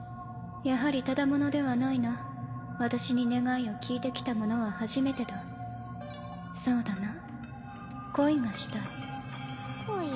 やはりただ者ではないな私に願いを聞いてきた者は初めてだそうだな恋がしたいこい？